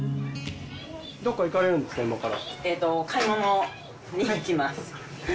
どこか行かれるんですか、今から。